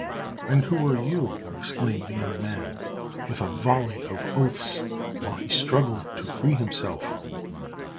"And who are you?" exclaimed the young man, with a volley of oaths, while he struggled to free himself.